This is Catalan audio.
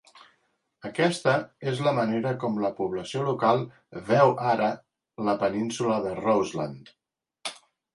Aquesta és la manera com la població local veu ara la península de Roseland.